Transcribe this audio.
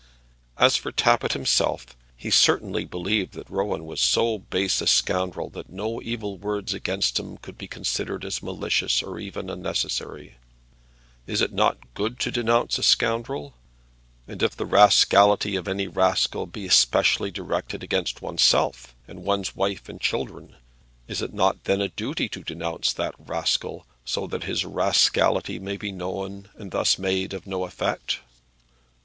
As for Tappitt himself, he certainly believed that Rowan was so base a scoundrel that no evil words against him could be considered as malicious or even unnecessary. Is it not good to denounce a scoundrel? And if the rascality of any rascal be specially directed against oneself and one's own wife and children, is it not a duty to denounce that rascal, so that his rascality may be known and thus made of no effect?